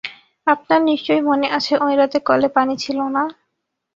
আপনার নিশ্চয়ই মনে আছে -ঐ রাতে কলে পানি ছিল না?